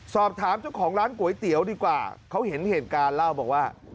สอบถามเจ้าของร้านก๋วยเตี๋ยวดีกว่าเขาเห็นเหตุการณ์เล่าบอกว่า